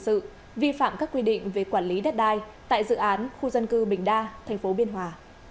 hình sự vi phạm các quy định về quản lý đất đai tại dự án khu dân cư bình đa thành phố biên hòa